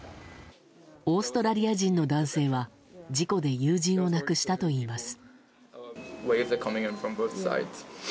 オーストラリア人の男性は事故で友人を亡くしたといいます。